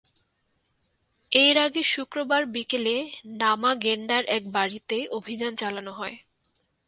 এর আগে শুক্রবার বিকেলে নামা গেন্ডার এক বাড়িতে অভিযান চালানো হয়।